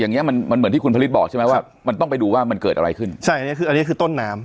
อย่างนี้เหมือนที่คุณพระลิทบอกใช่ไหมว่าต้องไปดูต้นน้ำ